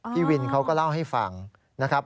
พี่วินเขาก็เล่าให้ฟังนะครับ